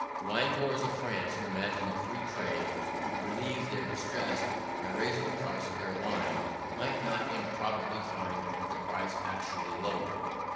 The wine growers of France, who imagine that free trade would relieve their distress by raising the price of their wine, might not improbably find that price actually lowered.